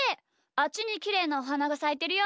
あっちにきれいなおはながさいてるよ！